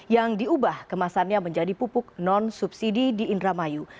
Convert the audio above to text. yang diubah kemasannya menjadi pupuk non subsidi di indramayu